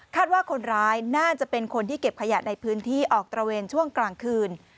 ว่าคนร้ายน่าจะเป็นคนที่เก็บขยะในพื้นที่ออกตระเวนช่วงกลางคืน